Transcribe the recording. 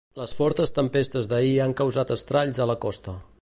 Les fortes tempestes d'ahir han causat estralls a la costa.